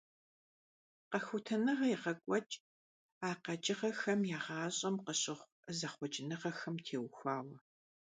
Къэхутэныгъэ егъэкӀуэкӀ а къэкӀыгъэхэм я гъащӀэм къыщыхъу зэхъуэкӀыныгъэхэм теухуауэ.